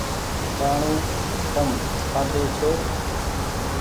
ڏآڻو تم کآدي ڇو